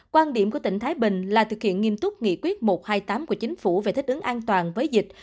quan điểm của tỉnh thái bình là thực hiện nghiêm túc nghị quyết một trăm hai mươi tám của chính phủ về thích ứng an toàn với dịch